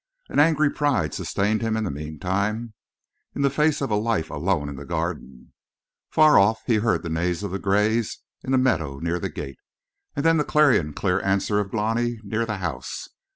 An angry pride sustained him in the meantime, in the face of a life alone in the Garden. Far off, he heard the neigh of the grays in the meadow near the gate, and then the clarion clear answer of Glani near the house.